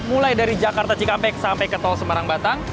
mulai dari jakarta cikampek sampai ke tol semarang batang